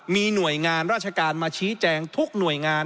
มีหน่วยงานราชการมาชี้แจงทุกหน่วยงาน